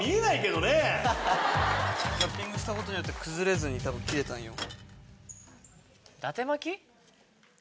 ラッピングしたことによって崩れずに切れたんよ。